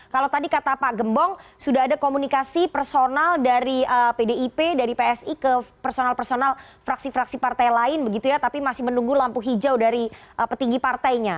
kalau tadi kata pak gembong sudah ada komunikasi personal dari pdip dari psi ke personal personal fraksi fraksi partai lain begitu ya tapi masih menunggu lampu hijau dari petinggi partainya